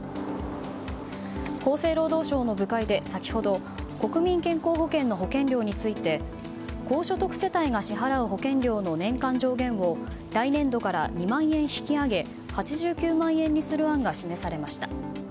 厚生労働省の部会で先ほど国民健康保険の保険料について高所得世帯が支払う年間保険料の上限を来年度から２万円引き上げ８９万円にする案が示されました。